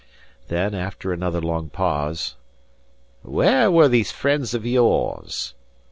Then, after another long pause, "Whae were these friends o' yours?"